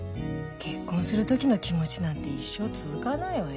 結婚する時の気持ちなんて一生続かないわよ。